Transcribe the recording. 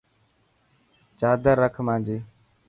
چادر رک مانجي.